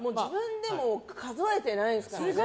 自分でも数えてないですからね。